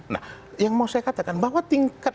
nah yang mau saya katakan bahwa tingkat